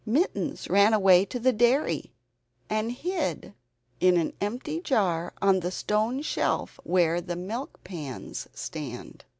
Mittens ran away to the dairy and hid in an empty jar on the stone shelf where the milk pans stand.